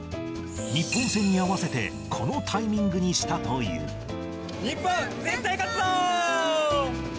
日本戦に合わせてこのタイミング日本、絶対勝つぞ。